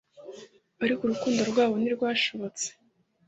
ariko urukundo rwabo ntirwashobotse